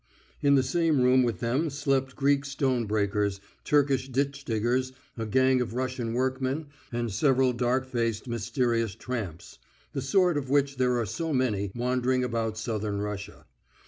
In the same room with them slept Greek stone breakers, Turkish ditch diggers, a gang of Russian workmen, and several dark faced, mysterious tramps, the sort of which there are so many wandering about Southern Russia.